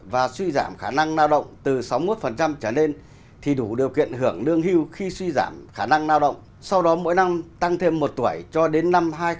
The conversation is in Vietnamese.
thì mới đủ điều kiện hưởng lương hưu khi suy giảm khả năng lao động từ sáu mươi một trở nên